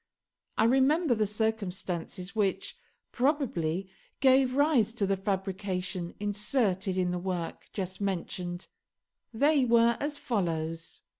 I remember the circumstances which, probably, gave rise to the fabrication inserted in the work just mentioned; they were as follows.